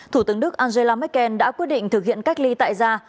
thủ tướng đức angela merkel đã quyết định thực hiện cách ly tại da